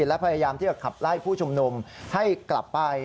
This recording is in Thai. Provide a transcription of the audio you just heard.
และพยายามที่จะขับไล่ผู้ชุมนุมให้กลับไป